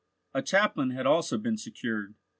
A chaplain had also been secured.